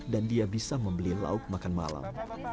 dan dia bisa membeli lauk makan malam